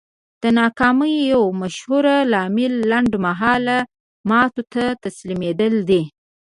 د ناکامۍ يو مشهور لامل لنډ مهاله ماتو ته تسليمېدل دي.